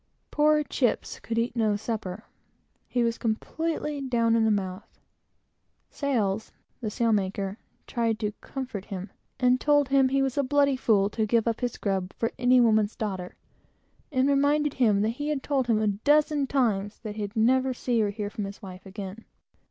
Poor "Chips," could eat no supper. He was completely down in the mouth. "Sails" (the sailmaker) tried to comfort him, and told him he was a bloody fool to give up his grub for any woman's daughter, and reminded him that he had told him a dozen times that he'd never see or hear from his wife again.